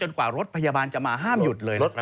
หรือทำไปรถพยาบาลจะมาห้ามหยุด